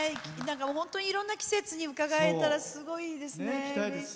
本当にいろんな季節に伺えたら、すごいいいですね。